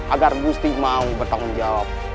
agar gusti mau bertanggung jawab